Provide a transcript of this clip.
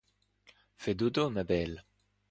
Fais dodo, ma belle !